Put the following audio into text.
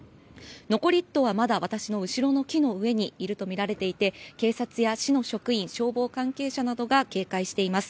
残り１頭はまだ私の後ろの木にいるとみられていて警察や市の職員消防関係者などが警戒しています。